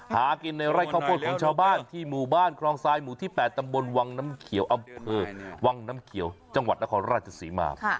หากินในไร่ข้าวโพดของชาวบ้านที่หมู่บ้านคลองทรายหมู่ที่๘ตำบลวังน้ำเขียวอำเภอวังน้ำเขียวจังหวัดนครราชศรีมา